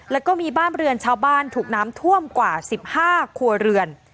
แล้วก็มีบ้านเรือนชาวบ้านถูกน้ำท่วมกว่า๑๕ครัวเรือน